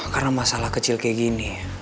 karena masalah kecil kaya gini